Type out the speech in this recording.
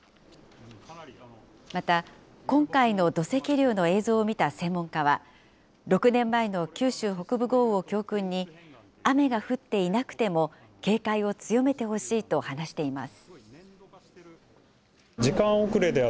また、今回の土石流の映像を見た専門家は、６年前の九州北部豪雨を教訓に、雨が降っていなくても警戒を強めてほしいと話しています。